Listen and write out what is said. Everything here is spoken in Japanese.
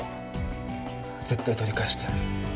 絶対取り返してやる。